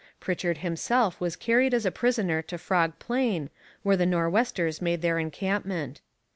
Pritchard himself was carried as a prisoner to Frog Plain, where the Nor'westers made their encampment.